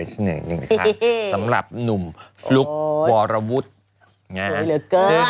สำหรับหนุ่มฟลุกวรวุฒิ